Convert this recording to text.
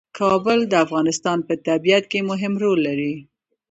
کابل د افغانستان په طبیعت کې مهم رول لري.